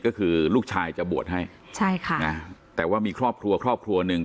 ก็คือลูกชายจะบวชให้ใช่ค่ะนะแต่ว่ามีครอบครัวครอบครัวหนึ่ง